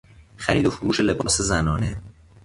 خرید وفروش لباس زنانه